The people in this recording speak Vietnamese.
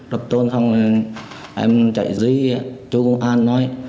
đập tôn xong em chạy dưới chỗ công an thôi